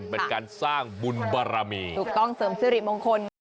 เป็นการสร้างบุญบารมีถูกต้องเสริมสิริมงคล